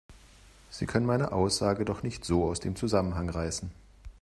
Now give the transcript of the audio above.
Sie können meine Aussage doch nicht so aus dem Zusammenhang reißen!